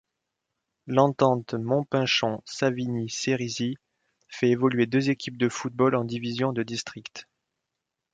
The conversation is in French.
L'Entente Montpinchon-Savigny-Cerisy fait évoluer deux équipes de football en divisions de district.